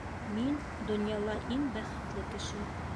Мин донъяла иң бәхетле кеше!